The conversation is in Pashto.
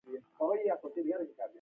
له دې امله د رګونو پر دیوال فشار راځي.